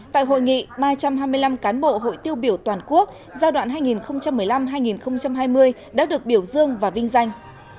tại hội nghị ba trăm hai mươi năm cán bộ hội tiêu biểu toàn quốc giai đoạn hai nghìn một mươi năm hai nghìn hai mươi đã được biểu dương và vinh danh